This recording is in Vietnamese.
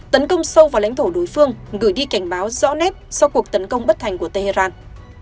tấn công sâu vào lãnh thổ đối phương gửi đi cảnh báo rõ nét sau cuộc tấn công bất thành của tehran